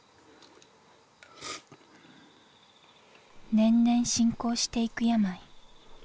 年々進行していく病。